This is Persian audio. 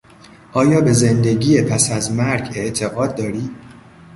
آیا به زندگی پس از مرگ اعتقاد داری؟